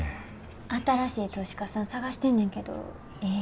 新しい投資家さん探してんねんけどええ